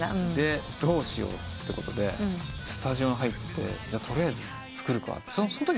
どうしようってことでスタジオに入って取りあえず作るかと。